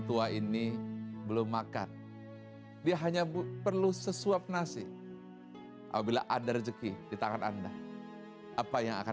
tua ini belum makan dia hanya perlu sesuap nasi apabila ada rezeki di tangan anda apa yang akan